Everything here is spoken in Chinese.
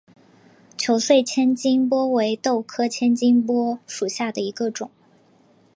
球穗千斤拔为豆科千斤拔属下的一个种。